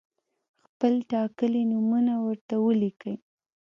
خپل ټاکلي نومونه ورته ولیکئ.